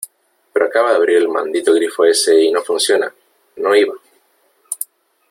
pero acaba de abrir el maldito grifo ese y no funciona , no iba .